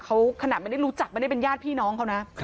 เขาขนาดไม่ได้รู้จักไม่ได้เป็นญาติพี่น้องเขานะ